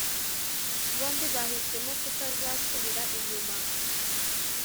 bombi bahisemo kutazasubira inyuma